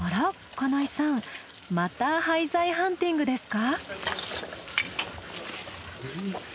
金井さんまた廃材ハンティングですか？